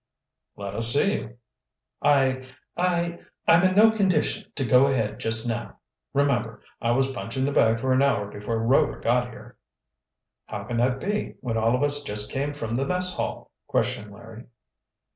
"Let us see you." "I I I'm in no condition to go ahead just now. Remember, I was punching the bag for an hour before Rover got here." "How can that be, when all of us just came from the mess hall?" questioned Larry.